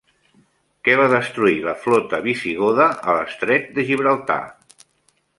Què va destruir la flota visigoda a l'estret de Gibraltar?